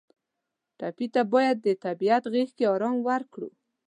ټپي ته باید د طبیعت غېږ کې آرام ورکړو.